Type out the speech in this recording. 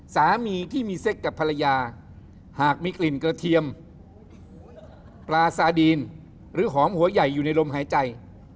สามีที่มีเซ็กกับภรรยาหากมีกลิ่นกระเทียมปลาซาดีนหรือหอมหัวใหญ่อยู่ในลมหายใจ